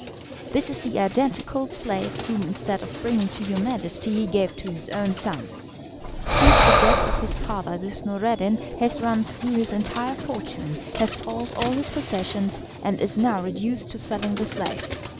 This is the identical slave, whom instead of bringing to your Majesty he gave to his own son. Since the death of his father this Noureddin has run through his entire fortune, has sold all his possessions, and is now reduced to selling the slave.